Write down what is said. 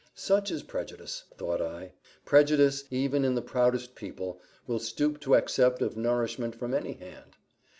Such is prejudice! thought I. Prejudice, even in the proudest people, will stoop to accept of nourishment from any hand.